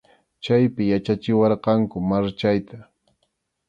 Chaypi yachachiwarqanku marchayta.